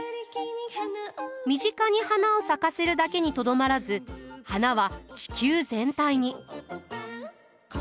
身近に花を咲かせるだけにとどまらず花は地球全体に。